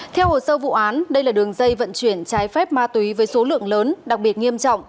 theo hồ sơ vụ án đây là đường dây vận chuyển trái phép ma túy với số lượng lớn đặc biệt nghiêm trọng